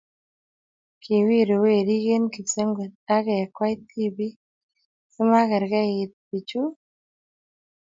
Kiwiru werik eng kipsengwet ak kekwei tibik sikomakerkeit bichu?